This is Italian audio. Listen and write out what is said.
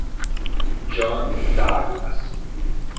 John Douglas